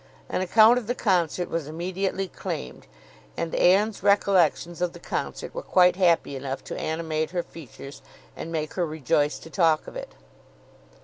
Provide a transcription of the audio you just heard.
An account of the concert was immediately claimed; and Anne's recollections of the concert were quite happy enough to animate her features and make her rejoice to talk of it.